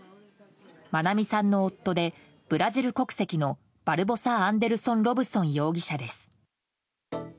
愛美さんの夫でブラジル国籍のバルボサ・アンデルソン・ロブソン容疑者です。